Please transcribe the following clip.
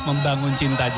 membangun cinta juga